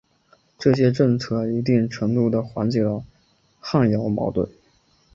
这些政策一定程度的缓解了汉瑶矛盾。